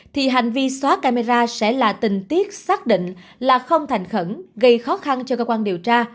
thì hành vi xóa camera sẽ là tình tiết xác định là không thành khẩn gây khó khăn cho cơ quan điều tra